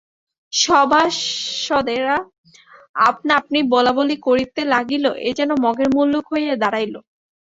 সভাসদেরা আপনা-আপনি বলাবলি করিতে লাগিল, এ যে মগের মুল্লুক হইয়া দাঁড়াইল।